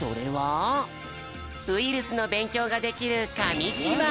ウイルスのべんきょうができるかみしばい！